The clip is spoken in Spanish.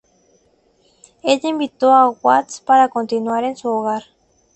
Ella invitó a Watts para continuar en su hogar.